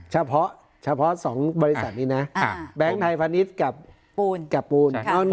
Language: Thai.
ใช่แต่ผมบอกว่าเฉพาะ๒บริษัทนี้นะแบงค์ไทยพณิชย์กับปูน